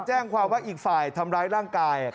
แจ้งความว่าอีกฝ่ายทำร้ายร่างกาย